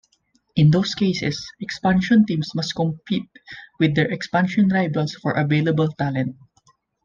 In those cases, expansion teams must compete with their expansion rivals for available talent.